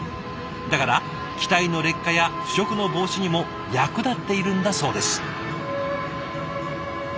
だから機体の劣化や腐食の防止にも役立っているんだそうです。